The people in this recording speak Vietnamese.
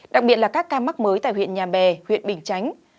đặc biệt là các ca mắc mới tại huyện nhà bè huyện bình chánh